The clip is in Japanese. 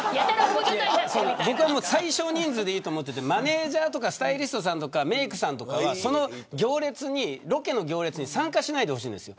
僕は最小人数でいいと思っていてマネジャーやスタイリストさんメークさんとかその行列に参加しないでほしいんです。